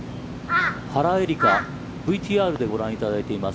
原英莉花、ＶＴＲでご覧いただいています。